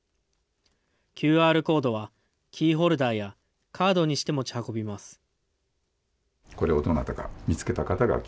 ＱＲコードはキーホルダーやカードにして持ち運びます。